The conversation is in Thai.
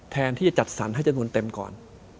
แทนที่จะจัดสรรให้จำนวนเต็มก่อน